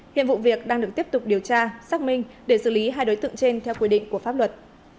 hiện vụ việc đang được tiếp tục điều tra xác minh để xử lý hai đối tượng trên theo quy định của pháp luật